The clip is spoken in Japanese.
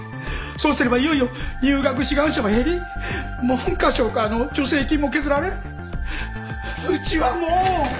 そうすればいよいよ入学志願者も減り文科省からの助成金も削られうちはもう。